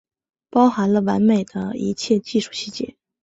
包含了完美的一切技术细节